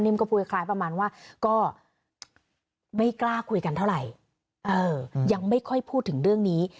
ก็พูดคล้ายประมาณว่าก็ไม่กล้าคุยกันเท่าไหร่ยังไม่ค่อยพูดถึงเรื่องนี้